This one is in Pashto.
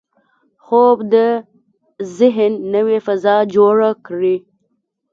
خوب د ذهن نوې فضا جوړه کړي